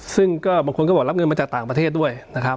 ซึ่งก็บางคนก็บอกรับเงินมาจากต่างประเทศด้วยนะครับ